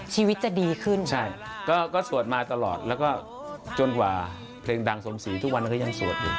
ชีวิตจะดีขึ้นใช่ก็สวดมาตลอดแล้วก็จนกว่าเพลงดังสมศรีทุกวันนั้นก็ยังสวดอยู่